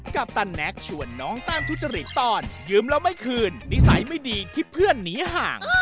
ปตันแน็กชวนน้องแต้มทุจริตต้อนยืมแล้วไม่คืนนิสัยไม่ดีที่เพื่อนหนีห่าง